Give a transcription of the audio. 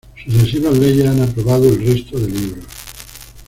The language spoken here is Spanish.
Sucesivas leyes han aprobado el resto de libros.